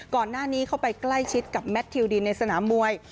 ก่อนหน้านี้เข้าไปใกล้ชิดกับแมททิวดีนในสนามมวย